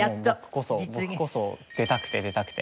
僕こそ出たくて出たくて。